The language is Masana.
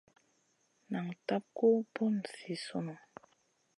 Nan tab gu bùn zi sùn.